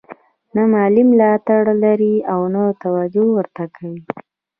نه مالي ملاتړ لري او نه توجه ورته کوي.